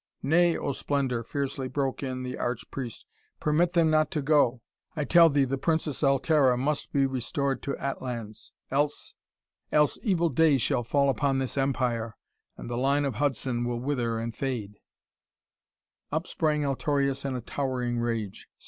"Nay, oh Splendor," fiercely broke in the arch priest, "permit them not to go. I tell thee the Princess Altara must be restored to Atlans! Else," a distinct note of threat crept into the old man's voice " else evil days shall fall upon this empire, and the line of Hudson will wither and fade." Up sprang Altorius in a towering rage.